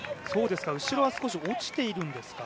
後ろは少し落ちているんですか。